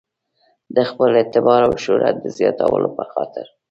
د خپل اعتبار او شهرت د زیاتولو په خاطر.